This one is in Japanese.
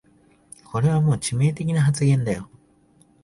これはもう致命的な発言だよ